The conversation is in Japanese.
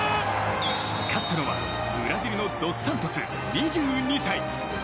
勝ったのは、ブラジルのドス・サントス２２歳。